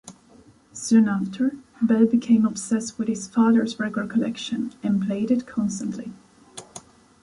Soon after, Bell became obsessed with his father's record collection, and played it constantly.